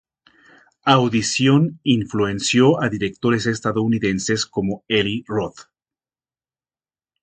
Audición influenció a directores estadounidenses como Eli Roth.